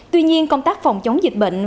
tuy nhiên công tác phòng chống dịch bệnh